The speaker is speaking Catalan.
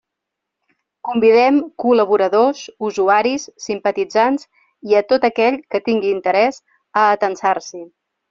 Convidem col·laboradors, usuaris, simpatitzants i a tot aquell que tingui interès a atansar-s'hi.